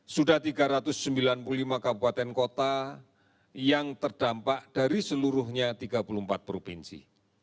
sudah tiga ratus sembilan puluh lima kabupaten kota yang terdampak dari seluruhnya tiga puluh empat provinsi